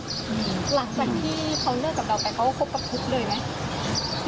หลังจากที่เขาเลิกกับเราไปเขาก็คบกับคุกเลยไหม